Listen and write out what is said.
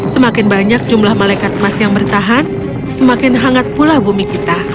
semakin banyak jumlah malaikat emas yang bertahan semakin hangat pula bumi kita